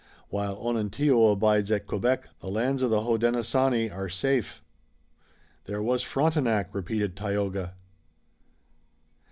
While Onontio abides at Quebec the lands of the Hodenosaunee are safe." "There was Frontenac," repeated Tayoga.